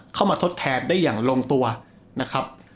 ทดแทนได้อย่างลงตัวนะครับ